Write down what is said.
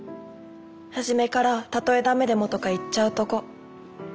初めから「たとえダメでも」とか言っちゃうとこ。